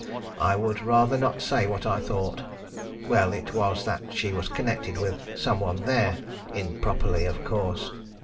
I would rather not say what I thought. Well, it was that she was connected with some one there. Improperly, of course.